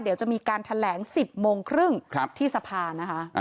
เดี๋ยวจะมีการแถลง๑๐โมงครึ่งที่สภานะคะ